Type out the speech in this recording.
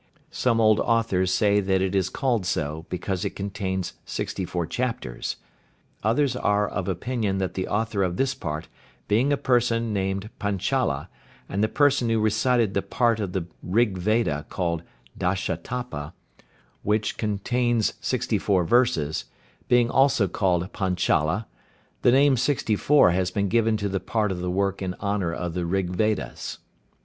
Some old authors say that it is called so, because it contains sixty four chapters. Others are of opinion that the author of this part being a person named Panchala, and the person who recited the part of the Rig Veda called Dashatapa, which contains sixty four verses, being also called Panchala, the name "sixty four" has been given to the part of the work in honour of the Rig Vedas.